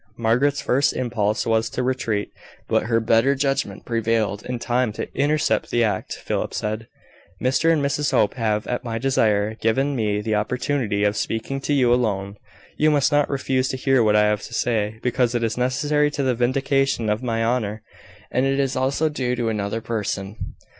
Margaret's first impulse was to retreat; but her better judgment prevailed in time to intercept the act. Philip said: "Mr and Mrs Hope have, at my desire, given me the opportunity of speaking to you alone. You must not refuse to hear what I have to say, because it is necessary to the vindication of my honour; and it is also due to another person."